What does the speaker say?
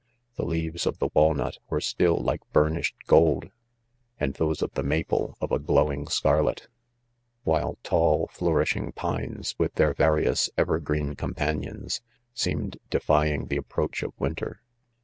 The, leaves of the walnut were still like burnished gold, and those of the maple of a glowing scarlet 5 while tall flourishing pines, with their various ever green companions, seemed defying the ap proach of winter.